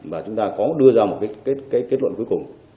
và chúng ta có đưa ra một cái kết luận cuối cùng